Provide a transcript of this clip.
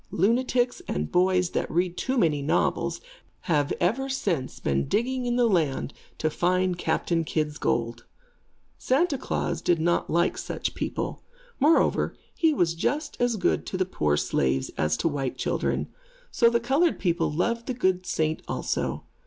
Lunatics and boys that read too many novels, have ever since been digging in the land to find Captain Kidd's gold. Santa Klaas does not like such people. Moreover, he was just as good to the poor slaves, as to white children. So the colored people loved the good saint also.